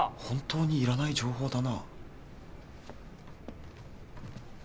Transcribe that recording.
本当にいらない情報だなぁ。